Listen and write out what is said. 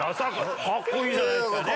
カッコいいじゃないですかね？